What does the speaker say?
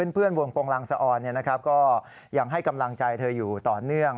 เพื่อนวงโปรงลังสะออนก็ยังให้กำลังใจเธออยู่ต่อเนื่อง